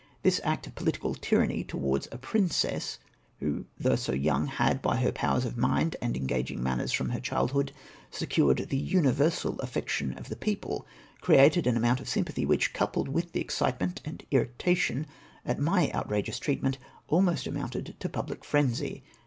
This act of poKtical tyranny towards a princess, who, though so young, had, by her powers of mind and engaging manners from her childhood, secured the universal affec tion of the people, created an amount of sympathy which, coupled mth the excitement and irritation at my out rageous treatment, almost amounted to public frenzy.